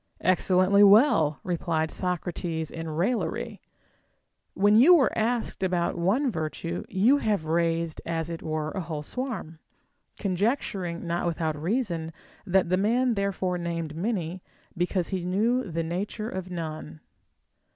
Excellently well ! repUed Socrates in raillery, when you were asked about one virtue, you haΛ^e raised, as it were, a whole swarm ; conjecturing, not without reason, that the man therefore named many because he knew the nature of none.